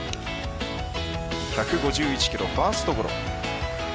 １５１キロ、ファーストゴロ。